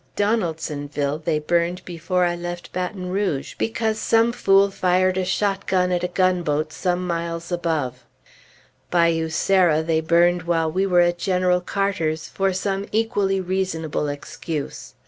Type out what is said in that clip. Donaldsonville they burned before I left Baton Rouge, because some fool fired a shotgun at a gunboat some miles above; Bayou Sara they burned while we were at General Carter's, for some equally reasonable excuse.